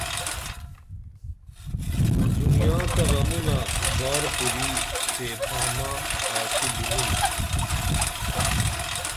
دنیا تہ غمونہ بار کُری بیپھامہ آڅی بِنُم